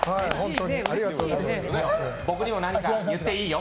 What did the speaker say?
僕にも何か、言っていいよ。